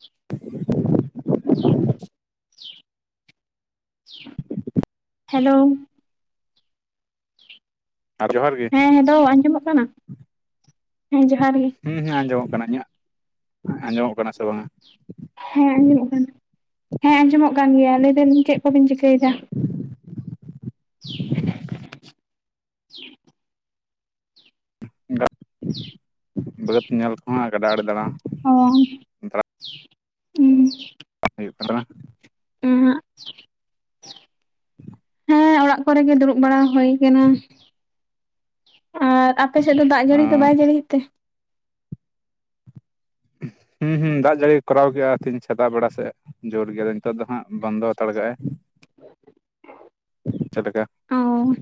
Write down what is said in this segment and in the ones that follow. ᱪᱤᱜ, ᱪᱤᱭᱩᱫ ᱦᱮᱞᱳᱣ ᱾ ᱟᱨ ᱡᱚᱦᱟᱨ ᱜᱮ ᱦᱮᱸ ᱦᱮᱞᱳ, ᱟᱸᱡᱚᱢᱚᱜ ᱠᱟᱱᱟ, ᱦᱮᱸ, ᱡᱚᱦᱟᱨ ᱜᱮ ᱾ ᱦᱩᱸᱼ ᱦᱩᱸ, ᱟᱸᱡᱚᱢᱚᱜ ᱠᱟᱱᱟ ᱤᱧᱟᱹᱜ? ᱟᱸᱡᱚᱢᱚᱜ ᱠᱟᱱᱟ, ᱥᱮ ᱵᱟᱝᱟ? ᱦᱮᱸ, ᱟᱸᱡᱚᱢᱚᱜ ᱠᱟᱱᱟ, ᱦᱮᱸᱻ ᱟᱸᱡᱚᱢᱚᱜ ᱠᱟᱱ ᱜᱮᱭᱟ, ᱞᱟᱹᱭ ᱮᱫᱟᱞᱤᱧ ᱪᱮᱫ ᱠᱚᱵᱤᱱ, ᱪᱤᱠᱟᱹᱭᱮᱫᱟ? ᱪᱤᱻᱭᱟᱹᱵ [unintelligible] ᱪᱤᱭᱵ ᱫᱟᱜ, ᱵᱟᱹᱫ ᱧᱮᱞ ᱠᱚᱦᱚᱸ, ᱜᱟᱰᱟ ᱟᱲᱮ ᱫᱟᱬᱟᱝ ᱚᱝ [unintelligible] ᱦᱩᱭᱩᱜ [unintelligible] ᱩᱦᱩᱸᱜ ᱾ [inaudible] ᱦᱚᱭ ᱚᱲᱟᱜ ᱠᱚᱨᱮ ᱜᱮ, ᱫᱩᱲᱩᱵ ᱵᱟᱲᱟ ᱦᱩᱭ ᱟᱠᱟᱱᱟ ᱾ ᱟᱨ, ᱟᱯᱮ ᱥᱮᱫ ᱫᱚ, ᱫᱟᱜ ᱡᱟᱹᱲᱤ ᱫᱚ, ᱵᱟᱭ ᱡᱟᱹᱲᱤᱭᱮᱫ ᱛᱮ? ᱦᱩᱸ ᱦᱩᱸ ᱫᱟᱜ ᱡᱟᱹᱲᱤ, ᱠᱚᱨᱟᱣ ᱠᱮᱫᱼᱟ, ᱛᱤᱦᱤᱧ ᱥᱮᱛᱟᱜ ᱵᱮᱲᱟ ᱥᱮᱫ ᱾ ᱡᱳᱨ ᱜᱮᱭᱟ ᱱᱤᱛᱚᱜ ᱫᱚ ᱦᱟᱸᱜ, ᱵᱚᱱᱫᱚ ᱦᱟᱛᱟᱲ ᱟᱠᱟᱜᱼᱟᱭ ᱾ ᱪᱮᱫ ᱞᱮᱠᱟ? ᱟᱸᱻᱶ ᱾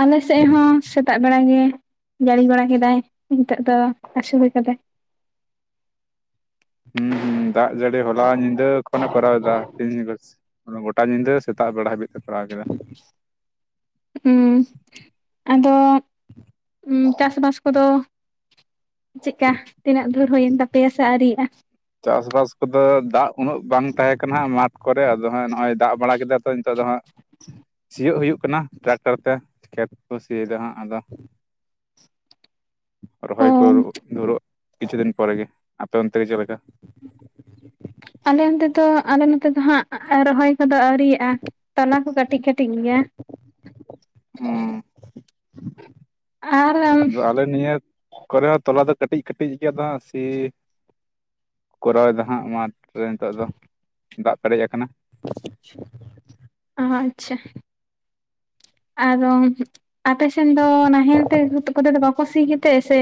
ᱟᱞᱮ ᱥᱮᱫ ᱦᱚᱸ, ᱥᱮᱛᱟᱜ ᱵᱮᱲᱟ ᱜᱮ, ᱡᱟᱹᱲᱤ ᱵᱟᱲᱟ ᱠᱮᱫᱟᱭ, ᱱᱤᱛᱚᱜ ᱫᱚ ᱟᱹᱥᱩᱲ ᱟᱠᱟᱫᱟᱭ ᱾ ᱦᱩᱸ ᱦᱩᱸ ᱫᱟᱜ ᱡᱟᱹᱲᱤ, ᱦᱚᱞᱟ ᱧᱤᱫᱟᱹ ᱠᱷᱚᱱᱮ, ᱠᱚᱨᱟᱣ ᱮᱫᱟ, ᱛᱤᱦᱤᱧ ᱵᱟᱹᱥ ᱜᱚᱴᱟ ᱧᱤᱫᱟᱹ, ᱥᱮᱛᱟᱜ ᱵᱮᱲᱟ ᱦᱟᱹᱵᱤᱡ ᱛᱮ, ᱯᱟᱲᱟᱣ ᱠᱮᱫᱟ ᱾ ᱩᱸᱻ, ᱟᱫᱚ, ᱪᱟᱥᱵᱟᱥ ᱠᱚᱫᱚ ᱪᱮᱫᱼᱠᱟ, ᱛᱤᱱᱟᱹᱜ ᱫᱩᱨ ᱦᱩᱭᱮᱱ ᱛᱟᱯᱮᱭᱟ, ᱥᱮ ᱟᱹᱣᱨᱤᱭᱟᱜᱼᱟ? ᱪᱟᱥᱵᱟᱥ ᱠᱚᱫᱚ, ᱫᱟᱜ ᱩᱱᱟᱹᱜ ᱵᱟᱝ ᱛᱟᱦᱮᱸ ᱠᱟᱱᱟ, ᱢᱟᱴᱷ ᱠᱚᱨᱮ, ᱟᱫᱚ ᱦᱟᱸᱜ, ᱱᱚᱜᱼᱚᱭ ᱫᱟᱜ ᱵᱟᱲᱟ ᱠᱮᱫᱟ ᱾ ᱛᱚ, ᱱᱮᱛᱚᱜ ᱫᱚ ᱦᱟᱸᱜ, ᱪᱤᱨᱼᱜ ᱥᱤᱭᱳᱜ ᱦᱩᱭᱩᱜ ᱠᱟᱱᱟ ᱴᱨᱟᱠᱴᱟᱨ ᱛᱮ ᱠᱷᱮᱛ ᱠᱚ ᱥᱤᱭᱮᱫᱟ ᱦᱟᱜ ᱟᱫᱚ ᱚ ᱨᱚᱦᱚᱭ ᱠᱚ ᱫᱷᱩᱨᱟᱹᱜ ᱠᱤᱪᱷᱩ ᱫᱤᱱ ᱯᱚᱨᱮ ᱜᱮ ᱟᱯᱮ ᱚᱱᱛᱮᱜ ᱪᱮᱫ ᱞᱮᱠᱟ ᱟᱞᱮ ᱚᱱᱚᱛ ᱫᱚ ᱟᱞᱮ ᱱᱚᱛᱮ ᱫᱚ ᱦᱟᱸᱜ ᱨᱚᱦᱚᱭ ᱠᱚᱫᱚ ᱟᱹᱣᱨᱤᱭᱟᱜᱼᱟ᱾ ᱛᱟᱱᱟ ᱠᱚ ᱠᱟᱹᱴᱤᱡ ᱠᱟᱹᱴᱤᱡ ᱜᱮᱭᱟ ᱩᱸᱻᱜ ᱟᱨ ᱟᱢ ᱟᱫᱚ ᱟᱞᱮ ᱱᱤᱭᱟᱹ ᱠᱚᱨᱮ ᱦᱚᱸ ᱛᱚᱞᱟ ᱫᱚ ᱠᱟᱹᱴᱤᱡ ᱠᱟᱹᱴᱤᱡ ᱜᱮᱭᱟ ᱛᱚ ᱦᱟᱸᱜ ᱥᱤ ᱠᱚᱨᱟᱣᱫᱟ ᱦᱟᱸᱜ ᱢᱟᱴᱷ ᱨᱮ ᱱᱤᱛᱳᱜ ᱫᱚ ᱫᱟᱜ ᱯᱮᱨᱮᱡ ᱟᱠᱟᱱᱟ ᱚ ᱟᱪᱪᱷᱟ ᱟᱨᱚ ᱟᱯᱮᱥᱮᱱ ᱫᱚ ᱱᱟᱦᱮᱞ ᱛᱮ ᱠᱚᱛᱮ ᱫᱚ ᱵᱟᱠᱚ ᱥᱤ ᱜᱮᱛᱮ ᱥᱮ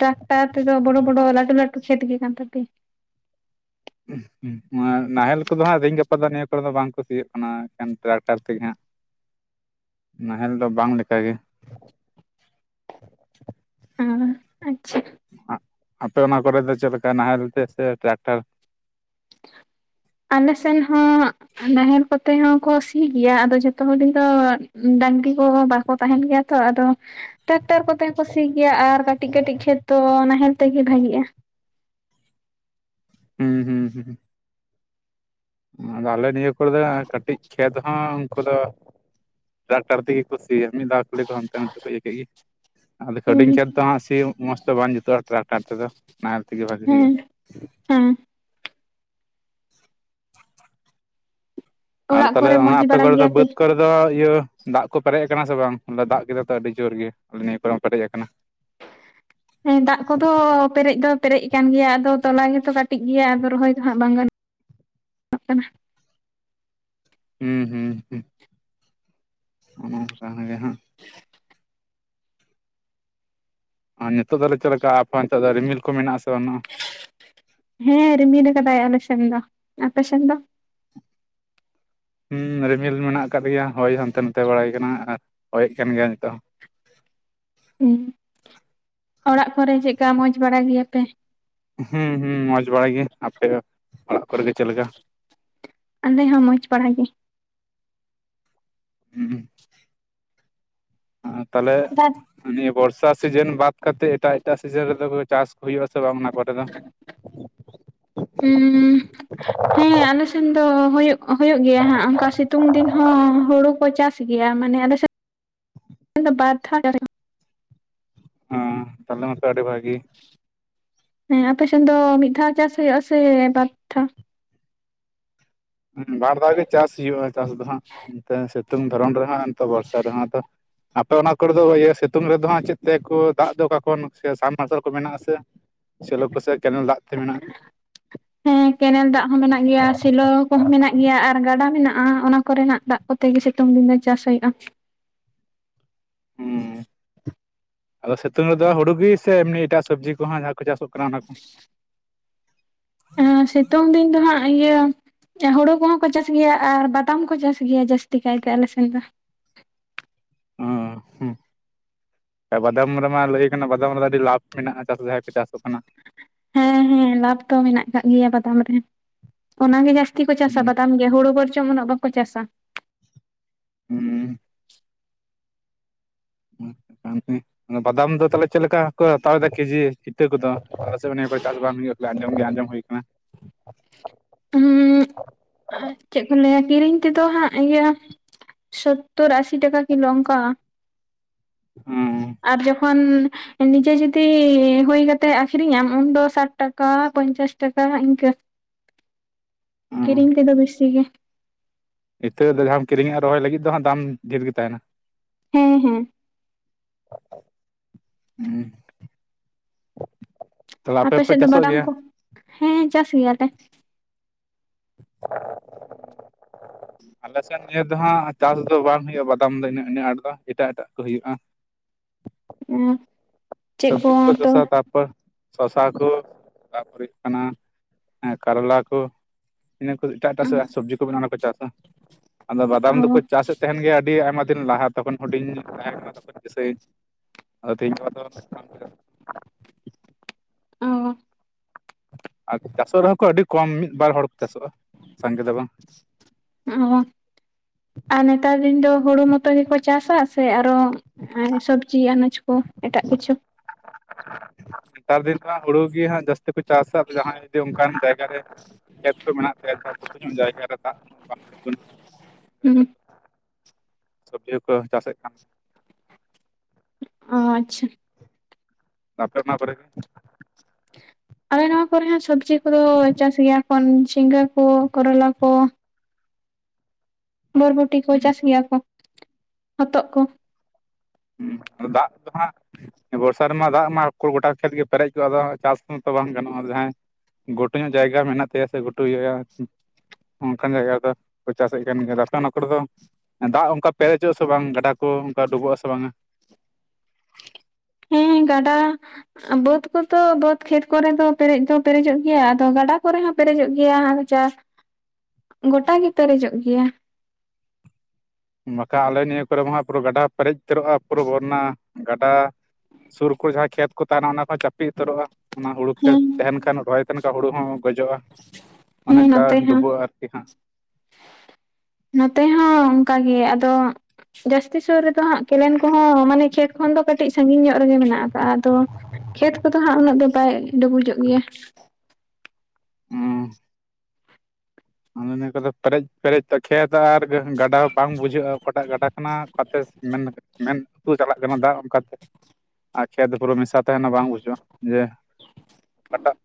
ᱴᱨᱟᱠᱴᱟᱨ ᱛᱮᱫᱚ ᱵᱚᱲᱚ ᱵᱚᱲᱚ ᱞᱟᱹᱴᱩ ᱞᱟᱹᱴᱩ ᱠᱷᱮᱛ ᱜᱮ ᱠᱟᱱ ᱛᱟᱯᱮᱭᱟ ᱾ ᱦᱩᱸᱜ ᱦᱩᱸ ᱱᱚᱣᱟ ᱱᱟᱦᱮᱞ ᱠᱚᱫᱚ ᱦᱟᱸᱜ ᱛᱤᱦᱤᱧ ᱜᱟᱯᱟ ᱫᱚ ᱱᱤᱭᱟᱹ ᱠᱚᱨᱮ ᱫᱚ ᱵᱟᱝ ᱠᱚ ᱥᱤᱭᱳᱜ ᱠᱟᱱᱟ ᱮᱠᱷᱚᱱ ᱴᱨᱟᱠᱴᱟᱨ ᱛᱮᱜᱮ ᱦᱟᱸᱜ ᱱᱟᱦᱮᱞ ᱫᱚ ᱵᱟᱝ ᱞᱮᱠᱟ ᱜᱮ ᱾ ᱚ ᱟᱪᱪᱷᱟ ᱾ ᱟᱜ ᱟᱯᱮ ᱚᱱᱟ ᱠᱚᱨᱮ ᱫᱚ ᱪᱮᱫ ᱞᱮᱠᱟ ᱱᱟᱦᱮᱞ ᱛᱮ ᱥᱮ ᱴᱨᱟᱠᱴᱟᱨ ᱟᱞᱥᱮᱱ ᱦᱚᱸ ᱦᱟᱸᱜ ᱱᱟᱦᱮᱞ ᱠᱚᱛᱮ ᱦᱚᱸᱠᱚ ᱥᱤ ᱜᱮᱭᱟ ᱟᱫᱚ ᱡᱷᱚᱛᱚ ᱦᱚᱲ ᱨᱮ ᱫᱚ ᱰᱟᱺᱝᱨᱤ ᱠᱚ ᱵᱟᱠᱚ ᱛᱟᱦᱮᱱ ᱜᱮᱭᱟ ᱛᱚ ᱟᱫᱚ ᱴᱨᱟᱠᱴᱟᱨ ᱠᱚᱛᱮ ᱦᱚᱸ ᱠᱚ ᱥᱤ ᱜᱮᱭᱟ ᱟᱨ ᱠᱟᱹᱴᱤᱡ ᱠᱟᱹᱴᱤᱡ ᱠᱷᱮᱛ ᱫᱚ ᱱᱟᱦᱮᱞ ᱛᱮᱜᱮ ᱵᱷᱟᱹᱜᱤᱜᱼᱟ᱾ ᱦᱩᱸ ᱦᱩᱸ ᱦᱩᱸ ᱾ ᱟᱫᱚ ᱟᱞᱮ ᱱᱤᱭᱟᱹ ᱠᱚᱨᱮ ᱫᱚ ᱠᱟᱹᱴᱤᱡ ᱠᱷᱮᱛ ᱦᱚᱸ ᱩᱱᱠᱩ ᱫᱚ ᱾ ᱴᱟᱠᱴᱟᱨ ᱛᱮᱜᱮ ᱠᱚ ᱥᱤᱭᱟ ᱢᱤᱫ ᱫᱷᱟᱣ ᱾ ᱠᱷᱟᱞᱤ ᱠᱚ ᱦᱟᱱᱛᱮ ᱱᱟᱛᱮ ᱠᱚ ᱤᱭᱟᱹ ᱠᱮᱜ ᱜᱮ ᱟᱫᱚ ᱦᱩᱰᱤᱧ ᱦᱮᱸ ᱠᱷᱮᱛ ᱫᱚ ᱦᱟᱸᱜ ᱥᱤ ᱦᱚᱸ ᱢᱚᱡᱽ ᱫᱚ ᱵᱟᱝ ᱡᱩᱛᱩᱜᱼᱟ ᱴᱨᱟᱠᱴᱟᱨ ᱛᱮᱫᱚ ᱱᱟᱦᱮᱞ ᱛᱮᱜᱮ ᱵᱷᱟᱜᱤ ᱦᱮᱸ ᱦᱩᱭᱩᱜᱼᱟ᱾ ᱦᱮᱸ ᱟᱨ ᱚᱲᱟᱜ ᱛᱟᱦᱚᱞᱮ ᱠᱚᱨᱮ ᱚᱱᱟ ᱢᱚᱸᱡᱽ ᱟᱯᱮ ᱵᱟᱲᱟ ᱠᱚᱨᱮ ᱫᱚ ᱜᱮᱭᱟᱯᱮ ᱵᱟᱹᱫᱽ ᱠᱚᱨᱮ ᱟᱫᱚ ᱤᱭᱟᱹ ᱫᱟᱜ ᱠᱚ ᱯᱮᱨᱮᱡ ᱟᱠᱟᱱᱟ ᱥᱮ ᱵᱟᱝ ᱫᱟᱜ ᱠᱮᱫᱟ ᱛᱚ ᱟᱹᱰᱤ ᱡᱳᱨ ᱜᱮ ᱟᱞᱮ ᱱᱤᱭᱟᱹ ᱠᱚᱨᱮ ᱦᱚᱸ ᱯᱮᱨᱮᱡ ᱟᱠᱟᱱᱟ [inaudible] ᱦᱮᱸ ᱫᱟᱜ ᱠᱚᱫᱚ ᱯᱮᱨᱮᱡ ᱫᱚ ᱯᱮᱨᱮᱡ ᱟᱠᱟᱱ ᱜᱮᱭᱟ ᱟᱫᱚ ᱛᱚᱞᱟ ᱜᱮᱛᱚ ᱠᱟᱹᱴᱤᱡ ᱜᱮᱭᱟ ᱟᱫᱚ ᱨᱚᱦᱚᱭ ᱫᱚ ᱦᱟᱸᱜ ᱵᱟᱝ ᱜᱟᱱᱚᱜ ᱾ ᱚᱜ ᱠᱟᱱᱟ ᱾ ᱦᱩᱸ ᱦᱩᱸ ᱦᱩᱸ ᱾ ᱚᱸ ᱚᱱᱮ ᱚᱱᱠᱟ ᱜᱮ ᱦᱟᱸᱜ ᱟᱨ ᱱᱤᱛᱚᱜ ᱫᱚ ᱛᱟᱦᱞᱮ ᱪᱮᱫ ᱞᱮᱠᱟ ᱟᱯᱮ ᱚᱱᱛᱮ ᱫᱚ ᱨᱤᱢᱤᱞ ᱠᱚ ᱢᱮᱱᱟᱜᱼᱟ ᱟᱥᱮ ᱵᱟᱹᱱᱩᱜᱼᱟ ᱾ ᱦᱮᱸ ᱨᱤᱢᱤᱞ ᱠᱟᱫᱟᱭ ᱟᱞᱮ ᱥᱮᱱ ᱫᱚ ᱟᱯᱮ ᱥᱮᱱ ᱫᱚ? ᱦᱩᱸ ᱨᱤᱢᱤᱞ ᱢᱮᱱᱟᱜ ᱟᱠᱟᱫ ᱜᱮᱭᱟ ᱦᱚᱭ ᱦᱟᱱᱛᱮ ᱱᱟᱛᱮ ᱵᱟᱲᱟᱭ ᱠᱟᱱᱟ ᱦᱚᱭᱮᱫ ᱠᱟᱱ ᱜᱮᱭᱟ ᱱᱤᱛᱚᱜ ᱦᱚᱸ ᱾ ᱩᱸᱜ ᱚᱲᱟᱜ ᱠᱚᱨᱮ ᱪᱮᱜᱠᱟ ᱢᱚᱸᱡᱽ ᱵᱟᱲᱟ ᱜᱮᱭᱟᱯᱮ? ᱦᱩᱸ ᱦᱩᱸ ᱢᱚᱸᱡᱽ ᱵᱟᱲᱟᱭ ᱜᱮ ᱟᱯᱮ ᱜᱮ ᱚᱲᱟᱜ ᱠᱚᱨᱮᱜᱮ ᱪᱮᱫ ᱞᱮᱠᱟ? ᱟᱞᱮ ᱦᱚᱸ ᱢᱚᱡᱽ ᱵᱟᱲᱟ ᱜᱮ ᱾ ᱦᱩᱸ ᱟᱨ ᱛᱟᱦᱚᱞᱮ ᱾ ᱱᱤᱭᱟᱹ ᱵᱚᱨᱥᱟ ᱥᱤᱡᱤᱱ ᱵᱟᱫᱽ ᱠᱟᱛᱮᱜ ᱮᱴᱟᱜ ᱮᱴᱟᱜ ᱥᱤᱡᱤᱱ ᱨᱮᱫᱚᱯᱮ ᱪᱟᱥ ᱦᱩᱭᱩᱜᱼᱟ ᱥᱮ ᱵᱟᱝ ᱚᱱᱟ ᱠᱚᱨᱮ ᱫᱚ ᱾ ᱥᱮ‌ᱱ ᱫᱚ ᱦᱩᱭᱩᱜ ᱦᱩᱭᱩᱜ ᱜᱮᱭᱟ ᱦᱟᱸᱜ ᱚᱱᱠᱟ ᱥᱤᱛᱩᱝ ᱫᱤᱱ ᱦᱚᱸ ᱦᱩᱲᱩ ᱠᱚ ᱪᱟᱥ ᱜᱮᱭᱟ ᱢᱟᱱᱮ ᱟᱞᱮᱥᱮᱫ ᱾ [inaudible] ᱵᱟᱨ ᱫᱷᱟᱣ ᱪᱟᱥ ᱦᱩᱭᱩᱜ ᱚᱸ ᱛᱟᱦᱚᱞᱮ ᱢᱟᱛᱚ ᱟᱹᱰᱤ ᱵᱷᱟᱜᱤ ᱾ ᱦᱮᱸ ᱟᱯᱮᱥᱮᱱ ᱫᱚ ᱢᱤᱫ ᱫᱷᱟᱣ ᱪᱟᱥ ᱦᱩᱭᱩᱜ ᱟ ᱥᱮ ᱵᱟᱨ ᱫᱷᱟᱣ? ᱦᱮᱸ ᱵᱟᱨ ᱫᱷᱟᱣ ᱜᱮ ᱪᱟᱥ ᱦᱩᱭᱩᱜᱼᱟ ᱪᱟᱥ ᱫᱚ ᱦᱟᱸᱜ ᱱᱚᱛᱮ ᱥᱤᱛᱩᱝ ᱫᱷᱚᱨᱚᱱ ᱨᱮᱦᱚᱸ ᱛᱚ ᱵᱚᱨᱥᱟ ᱨᱮ ᱦᱚᱸ ᱟᱫᱚ ᱾ ᱟᱯᱮ ᱚᱱᱟ ᱠᱚᱨᱮ ᱫᱚ ᱤᱭᱟᱹ ᱥᱤᱛᱩᱝ ᱨᱮᱫᱚ ᱦᱟᱸᱜ ᱪᱮᱫ ᱛᱮ ᱠᱚ ᱫᱟᱜ ᱫᱚ ᱚᱠᱟ ᱠᱷᱚᱱ ᱥᱮ ᱥᱟᱵᱽᱢᱟᱨᱥᱟᱞ ᱠᱚ ᱢᱮᱱᱟᱜ ᱟᱥᱮ? ᱥᱮᱞᱳ ᱠᱚ ᱥᱮ ᱠᱮᱱᱮᱞ ᱫᱟᱜ ᱾ ᱦᱮᱸ ᱠᱮᱱᱮᱞ ᱫᱟᱜ ᱦᱚᱸ ᱢᱮᱱᱟᱜ ᱜᱮᱭᱟ ᱥᱮᱞᱳ ᱠᱚᱦᱚᱸ ᱢᱮᱱᱟᱜ ᱜᱮᱭᱟ ᱟᱨ ᱜᱟᱰᱟ ᱾ ᱢᱮᱱᱟᱜᱼᱟ ᱚᱱᱟ ᱠᱚ ᱨᱮᱱᱟᱜ ᱫᱟᱜ ᱠᱚᱛᱮ ᱜᱮ ᱥᱤᱛᱩᱝ ᱫᱤᱱ ᱫᱚ ᱪᱟᱥ ᱦᱩᱭᱩᱜᱼᱟ ᱾ ᱦᱩᱸ ᱟᱫᱚ ᱥᱤᱛᱩᱝ ᱨᱮᱫᱚ ᱦᱩᱲᱩᱜ ᱜᱮ ᱥᱮ ᱮᱢᱱᱤ ᱮᱴᱟᱜ ᱥᱚᱵᱽᱡᱤ ᱠᱚᱦᱚᱸ ᱡᱟᱦᱟᱸ ᱠᱚ ᱪᱟᱥᱚᱜ ᱠᱟᱱᱟ ᱚᱱᱟ ᱠᱚ? [inaudible] ᱮᱸᱻ ᱥᱤᱛᱩᱝ ᱫᱤᱱ ᱫᱚ ᱦᱟᱸᱜ ᱤᱭᱟᱹ ᱾ ᱦᱳᱲᱳ ᱠᱚᱦᱚᱸ ᱠᱚ ᱪᱟᱥ ᱜᱮᱭᱟ ᱟᱨ ᱵᱟᱫᱟᱢ ᱠᱚ ᱪᱟᱥ ᱜᱮᱭᱟ ᱡᱟᱹᱥᱛᱤ ᱠᱟᱭᱛᱮ ᱟᱞᱮ ᱥᱮᱱ ᱫᱚ ᱾ ᱚ ᱦᱩᱸ ᱾ ᱵᱟᱫᱟᱢ ᱨᱮᱢᱟ ᱞᱟᱹᱭ ᱟᱠᱟᱱᱟ ᱵᱟᱫᱟᱢ ᱨᱮᱫᱚ ᱟᱹᱰᱤ ᱞᱟᱵᱷ ᱢᱮᱱᱟᱜᱼᱟ ᱪᱟᱥ ᱡᱟᱦᱟᱸᱭ ᱠᱚ ᱪᱟᱥᱚᱜ ᱠᱟᱱᱟ ᱦᱮᱸ ᱦᱮᱸ ᱞᱟᱵᱷ ᱫᱚ ᱢᱮᱱᱟᱜ ᱟᱠᱟᱜ ᱜᱮᱭᱟ ᱵᱟᱫᱟᱢ ᱨᱮ ᱚᱱᱟᱜ ᱜᱮ ᱡᱟᱹᱥᱛᱤ ᱠᱚ ᱪᱟᱥᱟ ᱦᱩᱸ ᱵᱟᱫᱟᱢ ᱦᱩᱲᱩ ᱵᱚᱨ ᱪᱚᱝ ᱩᱱᱟᱹᱜ ᱵᱟᱠᱚ ᱪᱟᱥᱟᱼᱼ ᱦᱩᱸᱻ [unintelligible] ᱵᱟᱫᱟᱢ ᱫᱚ ᱛᱟᱦᱚᱞᱮ ᱪᱮᱫ ᱞᱮᱠᱟ ᱠᱚ ᱦᱟᱛᱟᱣ ᱮᱫᱟ ᱠᱮᱡᱤ? ᱤᱛᱟᱹ ᱠᱚᱫᱚ ᱚᱱᱟ [unintelligible] ᱠᱚᱨᱮ ᱪᱟᱥ ᱵᱟᱝ ᱦᱩᱭᱩᱜ ᱜᱮᱭᱟ ᱟᱸᱡᱚᱢ ᱜᱮ ᱟᱸᱡᱚᱢ ᱦᱩᱭ ᱟᱠᱟᱱᱟ ᱦᱩᱸ ᱪᱮᱫ ᱵᱤᱱ ᱞᱟᱹᱭᱟ ᱠᱤᱨᱤᱧ ᱛᱮᱫᱚ ᱦᱟᱸᱜ ᱤᱭᱟᱹᱼᱼ ᱥᱚᱛᱛᱳᱨ ᱟᱥᱤ ᱴᱟᱠᱟ ᱠᱤᱞᱳ ᱚᱝᱠᱟᱼᱼ ᱦᱩᱸᱻ ᱟᱨ ᱡᱚᱠᱷᱚᱱᱼᱼ ᱱᱤᱡᱮ ᱡᱩᱫᱤ ᱦᱩᱭ ᱠᱟᱛᱮᱫ ᱟᱠᱷᱨᱤᱧᱟᱢ ᱩᱱᱫᱚ ᱥᱟᱴ ᱴᱟᱠᱟ ᱯᱚᱧᱪᱟᱥ ᱴᱟᱠᱟ ᱤᱱᱠᱟᱹ [inaudible] ᱦᱩᱸ ᱠᱤᱨᱤᱧ ᱛᱮ ᱫᱚ ᱵᱮᱥᱤ ᱜᱮᱼᱼ ᱤᱛᱟᱹ ᱫᱚ ᱡᱟᱦᱟᱸᱢ ᱠᱤᱨᱤᱧᱮᱜᱼᱟ ᱨᱚᱦᱚᱭ ᱞᱟᱹᱜᱤᱫ ᱫᱚ ᱦᱟᱸᱜ ᱫᱟᱢ ᱰᱷᱮᱨ ᱜᱮ ᱛᱟᱦᱮᱱᱟ ᱦᱮᱸ ᱦᱮᱸ [unintelligible] ᱟᱯᱮ ᱯᱮ ᱥᱮᱫ ᱫᱚ ᱪᱟᱥᱚᱜ ᱵᱟᱫᱟᱢ ᱜᱮᱭᱟ ᱠᱚ ᱦᱮᱸ ᱪᱟᱥ ᱜᱮᱭᱟᱞᱮ [inaudible] ᱟᱞᱮ ᱥᱮᱫ ᱱᱤᱭᱟᱹ ᱫᱚ ᱦᱟᱸᱜ ᱪᱟᱥ ᱫᱚ ᱵᱟᱝ ᱦᱩᱭᱩᱜᱼᱟ ᱵᱟᱫᱟᱢ ᱫᱚ ᱤᱱᱟᱹᱜ ᱤᱱᱟᱹᱜ ᱟᱸᱴ ᱫᱚ ᱮᱴᱟᱜ ᱮᱴᱟᱜ ᱠᱚ ᱦᱩᱭᱩᱜᱼᱟ ᱦᱮᱸ ᱥᱚᱵᱡᱤ ᱠᱚ [unintelligible] ᱥᱚᱥᱟ ᱠᱚ ᱛᱟᱯᱚᱨ ᱦᱩᱭᱩᱜ ᱠᱟᱱᱟ ᱠᱟᱨᱞᱟ ᱠᱚᱼᱼ ᱤᱱᱟᱹ ᱠᱚ ᱮᱴᱟᱜ ᱮᱴᱟᱜ ᱥᱚᱵᱽᱡᱤ ᱠᱚ ᱵᱮᱱᱟ ᱚᱱᱟ ᱠᱚ ᱪᱟᱥᱟ ᱟᱫᱚ ᱵᱟᱫᱟᱢ ᱫᱚᱠᱚ ᱚ ᱪᱟᱥᱮᱫ ᱛᱟᱦᱮᱱ ᱜᱮᱭᱟ ᱟᱹᱰᱤ ᱟᱭᱢᱟ ᱫᱤᱱ ᱞᱟᱦᱟᱼᱼ ᱛᱚᱠᱷᱚᱱ ᱦᱩᱰᱤᱧ ᱛᱟᱦᱮᱸ ᱠᱟᱱᱟ ᱛᱚᱠᱷᱚᱱ ᱫᱤᱥᱟᱹᱭ ᱤᱧ ᱟᱫᱚ ᱛᱮᱦᱤᱧ ᱜᱟᱯᱟ ᱫᱚ ᱚᱻ ᱟᱨ ᱪᱟᱥᱚᱜ ᱨᱮᱦᱚᱸ ᱠᱚ ᱟᱹᱰᱤ ᱠᱚᱢ ᱢᱤᱫ ᱵᱟᱨ ᱦᱚᱲ ᱠᱚ ᱪᱟᱥᱚᱜᱼᱟ ᱥᱟᱸᱜᱮ ᱫᱚ ᱵᱟᱝ ᱚ ᱟᱨ ᱱᱮᱛᱟᱨ ᱫᱤᱱ ᱫᱚ ᱦᱩᱲᱩ ᱢᱚᱛᱚ ᱜᱮᱠᱚ ᱪᱟᱥᱟ ᱥᱮ ᱟᱨᱚ ᱟᱨ ᱥᱚᱵᱽᱡᱤ ᱟᱱᱟᱡᱽ ᱠᱚ ᱮᱴᱟᱜ ᱠᱤᱪᱷᱩᱼᱼ ᱱᱮᱛᱟᱨ ᱫᱤᱱ ᱫᱚ ᱦᱟᱸᱜ ᱦᱩᱲᱩ ᱜᱮ ᱦᱟᱸᱜ ᱡᱟᱹᱥᱛᱤ ᱠᱚ ᱪᱟᱥᱟ ᱡᱟᱦᱟᱸᱭ ᱡᱩᱫᱤ ᱚᱱᱠᱟᱱ ᱡᱟᱭᱜᱟ ᱨᱮ ᱠᱷᱮᱛ ᱠᱚ ᱢᱮᱱᱟᱜ ᱛᱟᱭᱟ ᱡᱟᱦᱟᱸ [unintelligible] ᱡᱟᱭᱜᱟ ᱨᱮ ᱫᱟᱜ ᱵᱟᱝ ᱛᱤᱸᱜᱩᱱᱟ ᱦᱩᱸ ᱥᱚᱵᱽᱡᱤ ᱦᱚᱸᱠᱚ ᱪᱟᱥᱮᱫ ᱠᱟᱱ ᱚ ᱟᱪᱪᱷᱟ [unintelligible] ᱟᱯᱮ ᱚᱱᱟ ᱠᱚᱨᱮ ᱜᱮᱼᱼ ᱟᱞᱮ ᱱᱚᱣᱟ ᱠᱚᱨᱮ ᱦᱚᱸ ᱥᱚᱵᱽᱡᱤ ᱠᱚᱫᱚ ᱪᱟᱥ ᱜᱮᱭᱟ ᱠᱚ ᱡᱷᱤᱸᱜᱟᱹ ᱠᱚ ᱠᱚᱨᱚᱞᱟ ᱠᱚ᱾ ᱵᱚᱨᱵᱚᱴᱤ ᱠᱚ ᱪᱟᱥ ᱜᱮᱭᱟ ᱠᱚ ᱦᱚᱛᱚᱜ ᱠᱚ᱾ ᱦᱩᱸ ᱫᱟᱜ ᱫᱚ ᱦᱟᱸᱜ᱾ ᱵᱚᱨᱥᱟ ᱨᱮᱢᱟ ᱫᱟᱜ ᱢᱟ ᱠᱚᱲ ᱜᱚᱴᱟ ᱠᱷᱮᱛ ᱜᱮ ᱯᱮᱨᱮᱡ ᱠᱚᱜ-ᱟ ᱟᱫᱚ ᱪᱟᱥ ᱢᱟᱛᱚ ᱵᱟᱝ ᱜᱟᱱᱚᱜ-ᱟ ᱡᱟᱸᱦᱟᱭ᱾ ᱜᱷᱩᱴᱩ ᱧᱚᱜ ᱡᱟᱭᱜᱟ ᱢᱮᱱᱟᱜ ᱛᱟᱭᱟ ᱥᱮ ᱜᱷᱩᱴᱩ ᱜᱮᱭᱟ ᱟᱨᱠᱤ᱾ ᱚᱱᱠᱟᱱ ᱡᱟᱭᱜᱟ ᱫᱚ ᱠᱚ ᱪᱟᱥᱮᱜ ᱠᱟᱱ ᱜᱮᱭᱟ ᱟᱯᱮ ᱚᱱᱟ ᱠᱚᱨᱮ ᱫᱚ᱾ ᱫᱟᱜ ᱚᱱᱠᱟ ᱯᱮᱨᱮᱡᱚᱜ-ᱟ ᱥᱮ ᱵᱟᱝ ᱜᱟᱰᱟ ᱠᱚ ᱚᱱᱠᱟ ᱰᱩᱵᱟᱹᱜ-ᱟ ᱥᱮ ᱵᱟᱝᱟ᱾ ᱦᱮᱸ ᱜᱟᱰᱟ᱾ ᱵᱟᱹᱫᱽ ᱠᱚᱫᱚ ᱵᱟᱹᱫᱽ ᱠᱷᱮᱛ ᱠᱚᱨᱮ ᱫᱚ ᱯᱮᱨᱮᱡ ᱫᱚ ᱯᱮᱨᱮᱡᱚᱜ ᱜᱮᱭᱟ ᱟᱫᱚ ᱜᱟᱰᱟ ᱠᱚᱨᱮ ᱦᱚᱸ ᱯᱮᱨᱮᱡᱚᱜ ᱜᱮᱭᱟ ᱟᱫᱚ ᱪᱟᱥ᱾ [inaudible] ᱜᱚᱴᱟ ᱜᱮ ᱯᱮᱨᱮᱡᱚᱜ ᱜᱮᱭᱟ᱾ ᱵᱟᱠᱷᱟᱱ ᱟᱞᱮ ᱱᱤᱭᱟᱹ ᱠᱚᱨᱮ ᱢᱟ ᱦᱟᱜ ᱯᱩᱨᱟᱹ ᱜᱟᱰᱟ ᱯᱮᱨᱮᱡ ᱩᱛᱟᱹᱨᱚᱜ-ᱟ ᱯᱩᱨᱟᱹ ᱵᱚᱨᱱᱟ ᱜᱟᱰᱟ᱾ ᱥᱩᱨ ᱠᱩ ᱡᱟᱦᱟ ᱠᱷᱮᱛ ᱠᱚ ᱛᱟᱦᱮᱱᱟ ᱚᱱᱟ ᱠᱚ ᱪᱟᱯᱮ ᱩᱛᱟᱹᱨᱚᱜ-ᱟ᱾ ᱚᱱᱟ ᱦᱩᱲᱩ ᱯᱷᱮᱛ ᱦᱮᱸ ᱛᱟᱦᱮᱱ ᱠᱷᱟᱱ ᱨᱚᱦᱚᱭ ᱛᱟᱦᱮᱱ ᱠᱷᱟ ᱦᱩᱲᱩ ᱦᱚᱸ ᱜᱚᱡᱚᱜᱼᱟ᱾ ᱚᱱᱮ ᱦᱮᱸ ᱱᱚᱛᱮ ᱚᱱᱠᱟ ᱦᱚᱸ᱾ ᱰᱩᱵᱟᱹᱜᱼᱟ ᱟᱨᱠᱤ [inaudible] ᱱᱚᱛᱮ ᱦᱚᱸ ᱚᱱᱠᱟᱜᱮ ᱟᱫᱚ᱾ ᱡᱟᱹᱥᱛᱤ ᱥᱩᱨ ᱨᱮᱫᱚ ᱦᱟᱸᱜ ᱠᱮᱞᱮᱱ ᱠᱚᱦᱚᱸ ᱢᱟᱱᱮ ᱠᱷᱮᱛ ᱠᱷᱚᱱ ᱫᱚ ᱠᱟᱹᱴᱤᱡ ᱥᱟᱹᱜᱤᱧ ᱧᱚᱜ ᱨᱮᱜᱮ ᱢᱮᱱᱟᱜ ᱠᱟᱜ-ᱟ ᱟᱫᱚ᱾ ᱠᱷᱮᱛ ᱠᱚᱫᱚ ᱦᱟᱸᱜ ᱩᱱᱟᱹᱜ ᱫᱚ ᱵᱟᱭ ᱰᱩᱵᱩᱡᱚᱜ ᱜᱮᱭᱟ᱾ ᱚᱱᱮᱱᱟ ᱠᱚᱫᱚ᱾ ᱯᱮᱨᱮᱡ ᱯᱮᱨᱮᱡ ᱛᱮ ᱠᱷᱮᱛ ᱟᱨ ᱜᱟᱰᱟ ᱵᱟᱝ ᱵᱩᱡᱷᱟᱹᱜ-ᱟ ᱚᱠᱟᱴᱟᱜ ᱜᱟᱰᱟ ᱠᱟᱱᱟ ᱚᱠᱟᱛᱮ ᱢᱮᱱ ᱢᱮᱱ ᱢᱮᱱ ᱩᱛᱩ ᱪᱟᱞᱟᱜ ᱠᱟᱱᱟ ᱫᱟᱜ ᱚᱱᱠᱟᱛᱮ ᱟᱨ ᱠᱷᱮᱛ ᱫᱚ ᱯᱩᱨᱟᱹ ᱢᱮᱥᱟ ᱛᱟᱦᱮᱱᱟ ᱵᱟᱝ ᱵᱩᱡᱩᱜ-ᱟ᱾ ᱡᱮ ᱚᱠᱟᱴᱟᱜ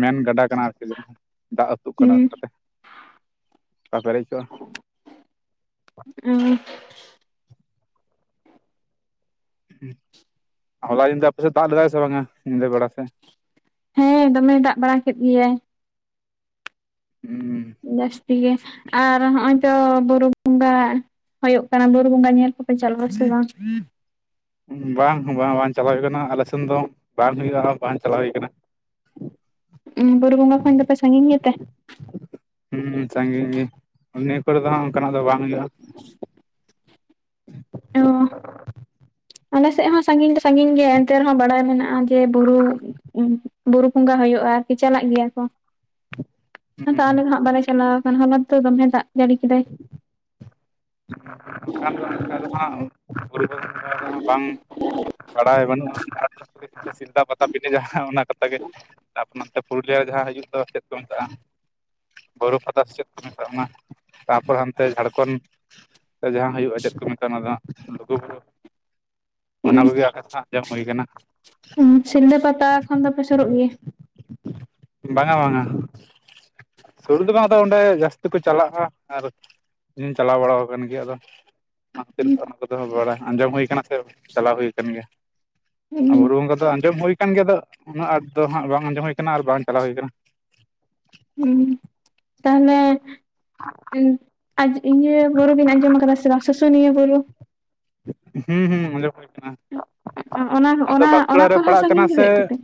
ᱢᱮᱱ ᱜᱟᱰᱟ ᱠᱟᱱᱟ ᱟᱨᱠᱤ ᱡᱟᱦᱟ ᱫᱚ ᱫᱟᱜ ᱟᱹᱛᱩᱜ ᱠᱟᱱᱟ ᱦᱩᱸ ᱚᱱᱠᱟᱛᱮ᱾ ᱚᱠᱟ ᱯᱮᱨᱮᱡ ᱠᱚᱜ-ᱟ᱾ ᱩᱸ᱾ ᱦᱚᱞᱟ ᱧᱤᱫᱟᱹ ᱟᱯᱮ ᱥᱮᱜ ᱫᱟᱜ ᱞᱮᱫᱟᱭ ᱥᱮ ᱵᱟᱝᱟ ᱧᱤᱫᱟᱹ ᱵᱮᱲᱟ ᱥᱮᱜ᱾ ᱦᱮᱸ ᱫᱚᱢᱮᱭ ᱫᱟᱜ ᱵᱟᱲᱟ ᱠᱮᱫ ᱜᱮᱭᱟᱭ᱾ ᱦᱩᱸ᱾ ᱡᱟᱹᱥᱛᱤ ᱜᱮ ᱟᱨ ᱦᱸᱚᱜ-ᱚᱭ ᱛᱚ ᱵᱩᱨᱩ ᱵᱚᱸᱜᱟ᱾ ᱦᱳᱭᱳᱜ ᱠᱟᱱᱟ ᱵᱩᱨᱩ ᱵᱚᱸᱜᱟ ᱧᱮᱞ ᱠᱚᱯᱮ ᱪᱟᱞᱟᱜ-ᱟ ᱥᱮ ᱵᱟᱝ᱾ ᱵᱟᱝ ᱵᱟᱝ ᱵᱟᱝ ᱪᱟᱞᱟᱣ ᱦᱩᱭᱩᱜ ᱠᱟᱱᱟ ᱟᱞᱮ ᱥᱮᱱ ᱫᱚ ᱵᱟᱝ ᱦᱩᱭᱩᱜ-ᱟ ᱵᱟᱝ ᱪᱟᱞᱟᱣ ᱦᱩᱭ ᱠᱟᱱᱟ᱾ [inaudible] ᱩᱸ ᱵᱩᱨᱩ ᱵᱚᱸᱜᱟ ᱠᱷᱚᱱ ᱫᱚ ᱯᱮ ᱥᱟᱹᱜᱤᱧ ᱜᱮᱛᱮ᱾ ᱦᱩᱸ ᱥᱟᱸᱜᱤᱧ ᱜᱤ ᱱᱤᱭᱟᱹ ᱠᱚᱨᱮ ᱫᱚ ᱦᱟᱸᱜ ᱚᱱᱠᱟᱱᱟᱜ ᱫᱚ ᱵᱟᱝ ᱦᱩᱭᱩᱜ-ᱟ᱾ [inaudible] ᱚ [inaudible] ᱟᱞᱮ ᱥᱮᱜ ᱦᱚᱸ ᱥᱟᱸᱜᱤᱧ ᱫᱚ ᱥᱟᱸᱜᱤᱧ ᱜᱮᱭᱟ ᱮᱱᱛᱮ ᱨᱮᱦᱚᱸ ᱵᱟᱲᱟᱭ ᱢᱮᱱᱟᱜ-ᱟ ᱡᱮ ᱵᱩᱨᱩ᱾ ᱵᱩᱨᱩ ᱵᱚᱸᱜᱟ ᱦᱳᱭᱳᱜ-ᱟ ᱟᱨᱠᱤ ᱪᱟᱞᱟᱜ ᱜᱮᱭᱟ ᱠᱚ᱾ [inaudible] ᱟᱫᱚ ᱟᱞᱮ ᱫᱚ ᱦᱟᱸᱜ ᱵᱟᱞᱮ ᱪᱟᱞᱟᱣ ᱟᱠᱟᱱᱟ ᱦᱚᱞᱟ ᱛᱚ ᱫᱚᱢᱮ ᱫᱟᱜ ᱡᱟᱹᱲᱤ ᱠᱮᱫᱟᱭ᱾ ᱠᱷᱟᱱ ᱫᱚ ᱚᱱᱠᱟ ᱫᱚ ᱦᱟᱸᱜ ᱵᱩᱨᱩ ᱵᱚᱸᱜᱟ ᱫᱚ ᱵᱟᱝ᱾ ᱵᱟᱲᱟᱭ ᱵᱟᱹᱱᱩᱜ ᱟᱠᱟᱜ-ᱟ ᱥᱤᱞᱫᱟ ᱯᱟᱛᱟ ᱵᱤᱰᱟᱹ ᱡᱟᱸᱦᱟ ᱚᱱᱟ ᱯᱟᱛᱟ ᱜᱮ᱾ ᱛᱟᱯᱚᱨᱮ ᱱᱚᱛᱮ ᱯᱩᱨᱩᱞᱤᱭᱟ ᱨᱮ ᱡᱟᱸᱦᱟ ᱦᱤᱡᱩᱜ ᱫᱚ ᱪᱮᱫ ᱠᱚ ᱢᱮᱛᱟᱜ-ᱟ᱾ ᱵᱳᱨᱳ ᱯᱟᱛᱟ ᱥᱮ ᱪᱮᱫ ᱠᱚ ᱢᱮᱛᱟᱜ-ᱟ ᱚᱱᱟ ᱛᱟᱯᱚᱨ ᱦᱟᱱᱛᱮ ᱡᱷᱟᱲᱠᱷᱚᱱ᱾ ᱡᱟᱸᱦᱟ ᱦᱩᱭᱩᱜ-ᱟ ᱪᱮᱫ ᱠᱚ ᱢᱮᱛᱟ ᱚᱱᱟ ᱫᱚ ᱦᱟᱸᱜ ᱞᱩᱜᱩ ᱵᱩᱨᱩ᱾ ᱚᱱᱟ ᱠᱚᱜᱮ ᱟᱸᱡᱚᱢ ᱦᱩᱭᱩ ᱟᱠᱟᱱᱟ᱾ ᱥᱤᱞᱫᱟᱹ ᱯᱟᱛᱟ ᱠᱷᱚᱱ ᱫᱚᱯᱮ ᱥᱩᱨᱚᱜ ᱜᱮᱭᱟ? ᱵᱟᱝᱟ ᱵᱟᱝᱟ᱾ ᱥᱩᱨ ᱫᱚ ᱵᱟᱝ ᱟᱫᱚ ᱚᱸᱰᱮ ᱡᱟᱹᱥᱛᱤ ᱠᱚ ᱪᱟᱞᱟᱜᱼᱟ ᱟᱨ ᱤᱧ ᱪᱟᱞᱟᱣ ᱵᱟᱲᱟ ᱟᱠᱟᱱ ᱜᱮᱭᱟ ᱟᱫᱚ᱾ ᱚᱱᱟ ᱠᱷᱟᱹᱛᱤᱨ ᱚᱱᱟ ᱠᱚᱫᱚ ᱵᱟᱲᱟᱭ ᱟᱸᱡᱚᱢ ᱦᱩᱭ ᱠᱟᱱᱟ ᱥᱮ ᱪᱟᱞᱟᱣ ᱦᱩᱭ ᱠᱟᱱᱟᱱ ᱜᱮᱭᱟ᱾ ᱦᱩᱸ ᱵᱩᱨᱩ ᱵᱚᱸᱜᱟ ᱫᱚ ᱟᱸᱡᱚᱢ ᱦᱩᱭ ᱟᱠᱟᱱ ᱜᱮᱭᱟ ᱫᱚ ᱩᱱᱟᱹᱜ ᱟᱸᱴ ᱫᱚ ᱦᱟᱸᱜ ᱵᱟᱝ ᱟᱸᱡᱚᱢ ᱦᱩᱭ ᱠᱟᱱᱟ ᱟᱨ ᱵᱟᱝ ᱪᱟᱞᱟᱣ ᱦᱩᱭ ᱠᱟᱱᱟ᱾ ᱦᱩᱸ ᱛᱟᱦᱚᱞᱮᱼᱼ ᱤᱧ [inaudible] ᱤᱭᱟᱹ ᱜᱩᱨᱩ ᱵᱤᱱ ᱟᱸᱡᱚᱢ ᱟᱠᱟᱫᱟ ᱥᱮ ᱵᱟᱝ ᱥᱩᱥᱩᱱᱤᱭᱟᱹ ᱜᱩᱨᱩ᱾ ᱦᱩ ᱦᱩ ᱟᱧᱡᱚᱢ ᱦᱩᱭ ᱠᱟᱱᱟ ᱚᱱᱟ ᱫᱚ ᱚᱱᱟ ᱵᱟᱸᱠᱩᱲᱟ ᱨᱮ ᱠᱷᱚᱱ ᱦᱚᱸ ᱯᱟᱲᱟᱜ ᱠᱟᱱᱟ ᱥᱟᱺᱜᱤᱧ ᱜᱮ ᱥᱮ᱾ ᱦᱩᱭᱩᱜ ᱛᱟᱯᱮᱭᱟ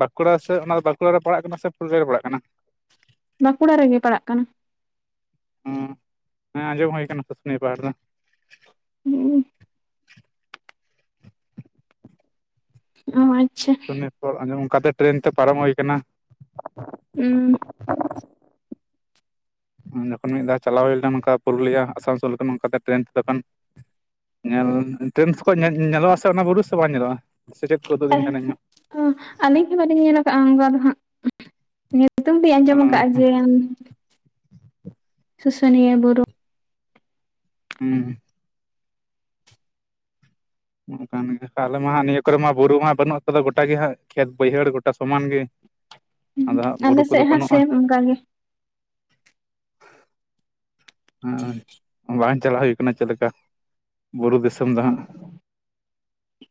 ᱵᱟᱸᱠᱩᱲᱟ ᱥᱮ ᱚᱱᱟ ᱫᱚ ᱵᱟᱸᱠᱩᱲᱟ ᱨᱮ ᱯᱟᱲᱟᱜ ᱠᱟᱱᱟ ᱥᱮ ᱯᱩᱨᱩᱞᱤᱭᱟᱹ ᱨᱮ ᱯᱟᱲᱟᱜ ᱠᱟᱱᱟ? ᱵᱟᱸᱠᱩᱲᱟ ᱨᱮᱜᱮ ᱯᱟᱲᱟᱜ ᱠᱟᱱᱟ᱾ ᱦᱮᱸ ᱟᱸᱡᱚᱢ ᱦᱩᱭ ᱟᱠᱟᱱᱟ ᱥᱩᱥᱩᱱᱤᱭᱟᱹ ᱯᱟᱦᱟᱲ ᱫᱚ᱾ ᱦᱮᱸ [inaudible] ᱚ ᱟᱪᱪᱷᱟ᱾ ᱚᱨ ᱟᱸᱡᱚᱢ ᱚᱱᱠᱟᱛᱮ ᱴᱨᱮᱱ ᱛᱮ ᱯᱟᱨᱚᱢ ᱦᱩᱭ ᱟᱠᱟᱱᱟ᱾ ᱦᱩᱸ ᱡᱚᱠᱷᱚᱱ ᱢᱤᱫ ᱫᱷᱟᱣ ᱪᱟᱞᱟᱣ ᱦᱩᱭ ᱞᱮᱱᱟ ᱚᱱᱠᱟ ᱯᱩᱨᱩᱞᱤᱭᱟᱹ ᱟᱥᱟᱱᱥᱳᱞ ᱚᱱᱠᱟ ᱴᱨᱮᱹᱱ ᱛᱮ ᱛᱚᱠᱷᱚᱱ᱾ ᱧᱮᱞ ᱴᱨᱮᱹᱱ ᱠᱷᱚᱭ ᱧᱮᱞ ᱧᱮᱞᱚᱜᱼᱟ ᱥᱮ ᱚᱱᱟ ᱵᱩᱨᱩ ᱥᱮ ᱵᱟᱝ ᱧᱮᱞᱚᱜᱼᱟ᱾ ᱥᱮ ᱪᱮᱫ ᱠᱚ ᱩᱫᱩᱜ ᱟᱹᱧ ᱛᱟᱦᱮᱱᱟ ᱤᱧᱦᱚᱸ ᱚ ᱟᱹᱞᱤᱧ ᱜᱮ ᱵᱟᱹᱞᱤᱧ ᱧᱮᱞ ᱠᱟᱜᱼᱟ ᱚᱱᱠᱟ ᱫᱚ ᱦᱟᱸᱜᱼᱼ ᱧᱩᱛᱩᱢ ᱜᱤᱧ ᱟᱸᱡᱚᱢ ᱟᱠᱟᱫᱼᱟ ᱡᱮ, ᱥᱩᱥᱩᱱᱤᱭᱟᱹ ᱵᱩᱨᱩ᱾ ᱦᱩᱸ ᱚᱱᱠᱟᱱ ᱜᱮ ᱛᱟᱦᱞᱮ ᱢᱟ ᱱᱤᱭᱟᱹ ᱠᱚᱨᱮ ᱢᱟ ᱵᱩᱨᱩ ᱢᱟ ᱵᱟᱹᱱᱩᱜ ᱛᱮᱫᱚ ᱜᱚᱴᱟ ᱜᱮ ᱦᱟᱸᱜ ᱠᱷᱮᱛ ᱵᱟᱹᱭᱦᱟᱹᱲ ᱜᱚᱴᱟ ᱥᱚᱢᱟᱱ ᱜᱮ᱾ ᱟᱫᱚ ᱦᱟᱜ ᱵᱩᱨᱩ ᱟᱞᱮ ᱠᱚᱫᱚ ᱥᱮᱫ ᱦᱚᱸ ᱵᱟᱹᱱᱩᱜᱼᱟ᱾ ᱥᱮᱢ ᱚᱱᱠᱟ ᱜᱮ᱾ ᱦᱮᱸ ᱵᱟᱝ ᱪᱟᱞᱟᱜ ᱦᱩᱭ ᱠᱟᱱᱟ ᱪᱮᱫ ᱞᱮᱠᱟ? ᱵᱩᱨᱩ ᱫᱤᱥᱚᱢ ᱫᱚ ᱦᱟᱸᱜ᱾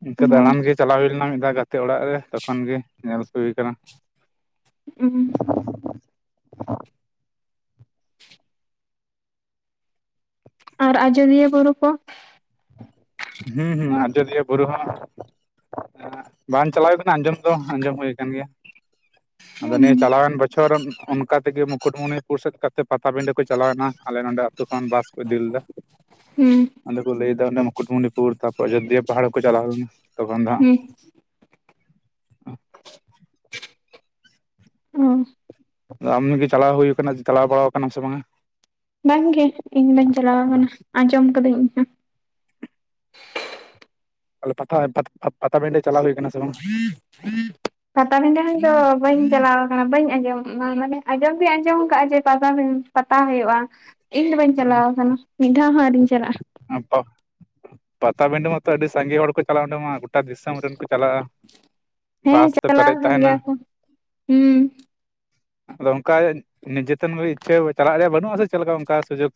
ᱤᱱᱠᱟᱹ ᱫᱟᱬᱟᱱ ᱜᱮ ᱪᱟᱞᱟᱣ ᱦᱩᱭ ᱞᱮᱱᱟ, ᱢᱤᱫ ᱫᱷᱟᱣ ᱜᱟᱛᱮ ᱚᱲᱟᱜ ᱨᱮ ᱛᱚᱠᱷᱚᱱ ᱜᱮ ᱧᱮᱞ ᱦᱩᱭ ᱠᱟᱱᱟ᱾ ᱩᱸ ᱟᱨ ᱟᱡᱚᱫᱤᱭᱟᱹ ᱵᱩᱨᱩ ᱠᱚ᱾ ᱦᱩᱸ ᱦᱩᱸ ᱟᱡᱚᱫᱤᱭᱟᱹ ᱵᱩᱨᱩ ᱦᱚᱸ ᱵᱟᱝ ᱪᱟᱞᱟᱣᱼᱼ ᱟᱸᱡᱚᱢ ᱫᱚ ᱟᱸᱡᱚᱢ ᱦᱳᱭ ᱠᱟᱱ ᱜᱮᱭᱟ᱾ ᱟᱫᱚ ᱦᱩᱸ ᱱᱤᱭᱟᱹ ᱪᱟᱞᱟᱣᱮᱱ ᱵᱚᱪᱷᱚᱨ ᱚᱱᱠᱟ ᱛᱮᱜᱮ ᱢᱩᱠᱩᱴᱢᱩᱱᱤᱯᱩᱨ ᱥᱮᱫ ᱠᱟᱛᱮ, ᱯᱟᱴᱟ ᱵᱤᱸᱰᱟᱹ ᱠᱚ ᱪᱟᱞᱟᱣ ᱮᱱᱟ ᱟᱞᱮ ᱱᱚᱰᱮ ᱟᱹᱛᱩ ᱠᱷᱚᱱ ᱵᱟᱥ ᱠᱚ ᱤᱫᱤ ᱞᱮᱫᱟ ᱦᱩᱸ ᱚᱸᱰᱮ ᱠᱚ ᱞᱟᱹᱭᱟ ᱚᱸᱰᱮ᱾ ᱢᱩᱠᱩᱴᱢᱩᱱᱤᱯᱩᱨ ᱛᱟᱯᱚᱨ ᱟᱡᱚᱫᱤᱭᱤᱭᱟᱹ ᱯᱟᱦᱟᱲ ᱠᱚ ᱪᱟᱞᱟᱣ ᱞᱮᱱᱟ ᱛᱚᱠᱷᱚᱱᱼᱼ ᱦᱮᱸ ᱦᱩ ᱚ ᱟᱢ ᱜᱮ ᱪᱟᱞᱟᱣ ᱦᱩᱭ ᱟᱠᱟᱱᱟ ᱪᱟᱞᱟᱣ ᱵᱟᱲᱟ ᱟᱠᱟᱱᱟᱢ ᱥᱮ ᱵᱟᱝᱼᱟ? ᱵᱟᱝ ᱜᱮ ᱤᱧ ᱫᱚᱧ ᱪᱟᱞᱟᱣ ᱠᱟᱱᱟ ᱟᱸᱡᱚᱢ ᱠᱟᱹᱫᱟᱹᱧ ᱤᱧ ᱦᱚ᱾ ᱟᱮ ᱯᱟ ᱯᱟᱛᱟᱵᱮᱱᱰᱮ ᱪᱟᱞᱟ ᱦᱩᱭ ᱟᱠᱟᱱᱟ ᱥᱮ ᱵᱟᱝ? [inaudible] ᱯᱟᱴᱟᱵᱤᱱᱫᱷᱟ ᱨᱮᱦᱚᱸ ᱛᱚ ᱵᱟᱹᱧ ᱪᱟᱞᱟᱣ ᱠᱟᱱᱟ ᱵᱟᱹᱧ ᱟᱸᱡᱚᱢ ᱢᱟᱱᱮ ᱟᱸᱡᱚᱢ ᱫᱚ ᱟᱸᱡᱚᱢ ᱟᱠᱟᱜᱼᱟ ᱡᱮ ᱯᱟᱴᱟᱵᱤᱸᱫᱷᱟ᱾ ᱯᱟᱛᱟ ᱦᱩᱭᱩᱜᱼᱟ ᱤᱧ ᱫᱚ ᱵᱟᱹᱧ ᱪᱟᱞᱟᱣ ᱟᱠᱟᱱᱟ ᱢᱤᱫ ᱫᱷᱟᱣ ᱦᱚᱸ ᱟᱨᱤᱧ ᱪᱟᱞᱟᱜᱼᱟ᱾ [unintelligible] ᱯᱟᱛᱟᱵᱤᱱᱫᱷᱟ ᱢᱟᱛᱚ ᱟᱹᱰᱤ ᱥᱟᱸᱜᱮ ᱦᱚᱲ ᱠᱚ ᱪᱟᱞᱟᱣ ᱟᱰᱮ ᱢᱟ᱾ ᱴᱟ ᱫᱤᱥᱚᱢ ᱨᱮᱱ ᱠᱚ ᱪᱟᱞᱟᱜᱼᱟ, ᱦᱮᱸ ᱵᱟᱥ ᱛᱮ ᱪᱟᱞᱟᱣ ᱯᱮᱨᱮᱡ ᱟᱠᱟᱱ ᱛᱟᱦᱮᱸᱱᱟ᱾ ᱜᱮᱭᱟ ᱠᱚ ᱦᱩᱸ ᱟᱫᱚ ᱚᱸᱠᱟ ᱱᱤᱡᱟᱹᱛᱮᱢ ᱤ ᱤᱪᱪᱷᱟᱹᱭ ᱪᱟᱞᱟᱜ ᱨᱮᱭᱟᱜ ᱵᱟᱹᱱᱩᱜᱼᱟ ᱥᱮ ᱪᱮᱫ ᱞᱮᱠᱟ ᱚᱱᱠᱟ ᱥᱩᱡᱳᱜᱽ?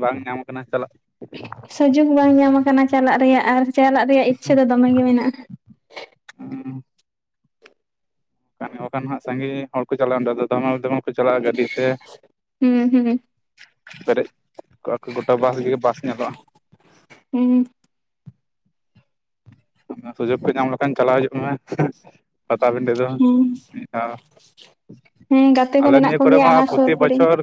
ᱵᱟᱝ ᱧᱟᱢᱚᱜ ᱠᱟᱱᱟ ᱪᱟᱞᱟᱜ? ᱥᱩᱡᱳᱜᱽ ᱵᱟᱝ ᱧᱟᱢ ᱟᱠᱟᱱᱟ ᱪᱟᱞᱟᱜ ᱨᱮᱭᱟᱜ ᱟᱨ ᱪᱟᱞᱟᱜ ᱨᱮᱭᱟᱜ ᱤᱪᱪᱷᱟᱹ ᱫᱚ ᱫᱚᱢᱮ ᱜᱮ ᱢᱮᱱᱟᱜᱼᱟ᱾ ᱩᱸ ᱜ, ᱚᱱᱠᱷᱟᱱ ᱠᱚ ᱠᱟᱱ ᱦᱟᱸᱜ ᱥᱟᱸᱜᱤᱧ ᱦᱚᱲ ᱠᱚ ᱪᱟᱞᱟᱜᱼᱟ ᱚᱸᱰᱮ ᱫᱚ ᱫᱚᱢᱮ ᱫᱚᱢᱮᱞ ᱠᱚ ᱪᱟᱞᱟᱜᱼᱟ ᱜᱟᱹᱰᱤ ᱛᱮ᱾ ᱦᱩᱸ ᱦᱩᱸ ᱯᱮᱨᱮᱡ ᱠᱚᱜᱼᱟ ᱠᱚ ᱜᱚᱴᱟ ᱵᱟᱥ ᱜᱮ ᱵᱟᱥ ᱧᱮᱞᱚᱜᱼᱟ᱾ ᱦᱩᱸ ᱚᱱᱟ ᱥᱩᱡᱳᱜᱽ ᱠᱚ ᱧᱟᱢ ᱞᱮᱠᱷᱟᱱ ᱪᱟᱞᱟᱣ ᱦᱤᱡᱩᱜ ᱢᱮ, ᱦᱮᱸ ᱯᱟᱛᱟ ᱵᱤᱸᱫᱷᱟ ᱫᱚ, ᱦᱩᱸ ᱢᱤᱫ ᱫᱷᱟᱣ᱾ ᱦᱮᱸ ᱜᱟᱛᱮ ᱠᱚ ᱟᱞᱮ ᱢᱮᱱᱟᱜ ᱱᱤᱭᱟᱹ ᱠᱚᱨᱮ ᱠᱚᱜᱮᱭᱟ ᱢᱟ ᱚᱱᱟ ᱥᱩᱨ ᱯᱩᱛᱤ ᱠᱚᱨᱮ ᱵᱚᱪᱷᱚᱨ